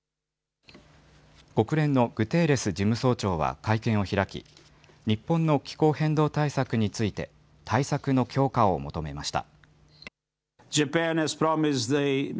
国連のグテーレス事務総長は会見を開き、日本の気候変動対策について、対策の強化を求めました。